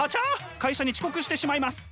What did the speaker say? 会社に遅刻してしまいます。